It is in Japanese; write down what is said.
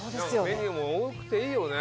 メニューも多くていいよね。